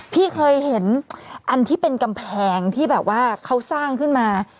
พี่เคยเห็นอันที่เป็นกำแพงที่แบบว่าเขาสร้างขึ้นมา